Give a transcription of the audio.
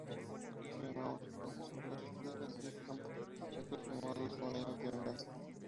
Renaud confiscó sus tierras y campos; Eustaquio quemó dos molinos en venganza.